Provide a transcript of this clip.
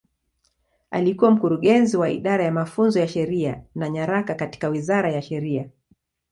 Alikuwa Mkurugenzi wa Idara ya Mafunzo ya Sheria na Nyaraka katika Wizara ya Sheria.